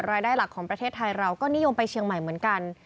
รายได้หลักของประเทศไทยเราก็นิยมไปเชียงใหม่เหมือนกัน